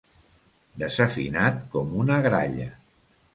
Desafinat com una gralla.